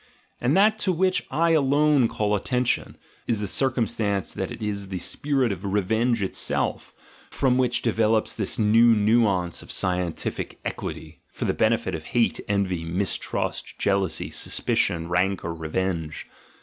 And that to which I alone call atten tion, is the circumstance that it is the spirit of revenge itself, from which develops this new nuance of scientific equity (for the benefit of hate, envy, mistrust, jealousy, suspicion, rancour, revenge).